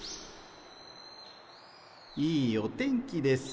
いいお天気です。